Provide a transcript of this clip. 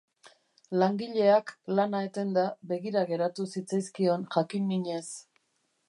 Langileak, lana etenda, begira geratu zitzaizkion jakin-minez.